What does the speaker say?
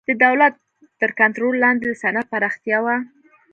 د دولت تر کنټرول لاندې د صنعت پراختیا و.